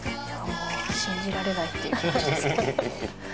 「信じられないっていう気持ちですね」